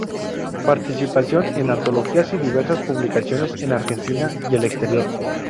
Participación en antologías y diversas publicaciones en Argentina y el exterior.